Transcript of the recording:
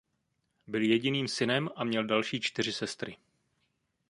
Byl jediným synem a měl další čtyři sestry.